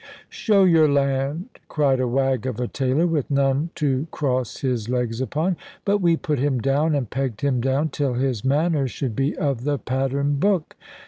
"Show your land," cried a wag of a tailor, with none to cross his legs upon; but we put him down, and pegged him down, till his manners should be of the pattern book.